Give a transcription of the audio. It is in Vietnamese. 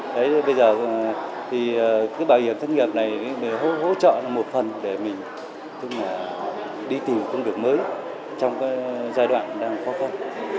bây giờ thì bảo hiểm thất nghiệp này hỗ trợ một phần để mình đi tìm công việc mới trong giai đoạn đang khó khăn